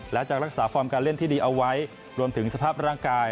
และจะรักษาฟอร์มการเล่นที่ดีเอาไว้รวมถึงสภาพร่างกาย